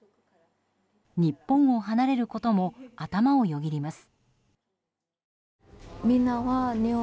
日本を離れることも頭をよぎります。